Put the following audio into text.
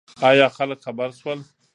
ایا خلک خبر شول؟